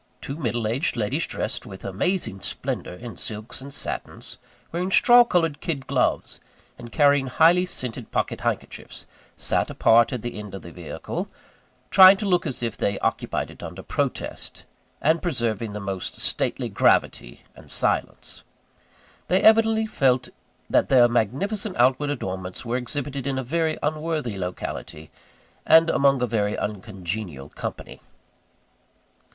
Two middle aged ladies, dressed with amazing splendour in silks and satins, wearing straw coloured kid gloves, and carrying highly scented pocket handkerchiefs, sat apart at the end of the vehicle; trying to look as if they occupied it under protest, and preserving the most stately gravity and silence. They evidently felt that their magnificent outward adornments were exhibited in a very unworthy locality, and among a very uncongenial company.